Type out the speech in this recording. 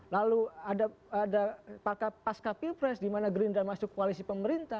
lalu ada pasca pilpres di mana gerindra masuk koalisi pemerintah